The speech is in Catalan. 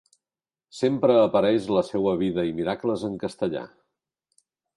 Sempre apareix la seua vida i miracles en castellà.